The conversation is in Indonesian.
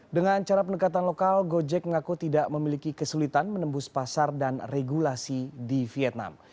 dengan cara pendekatan lokal gojek mengaku tidak memiliki kesulitan menembus pasar dan regulasi di vietnam